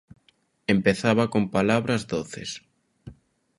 Empezaba con palabras doces: